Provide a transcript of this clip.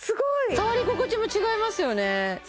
触り心地も違いますよね